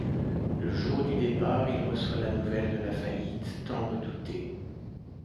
Le jour du départ, il reçoit la nouvelle de la faillite tant redoutée.